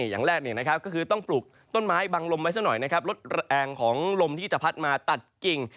อย่างแรกก็คือต้องปลูกต้นไม้บังลมไว้สักหน่อยนะครับลดแรงของลมที่จะพัดมาตัดกิ่ง